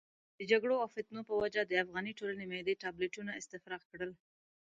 د جګړو او فتنو په وجه د افغاني ټولنې معدې ټابلیتونه استفراق کړل.